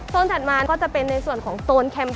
ถัดมาก็จะเป็นในส่วนของโซนแคมป์